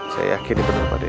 saya yakin itu benar pak adi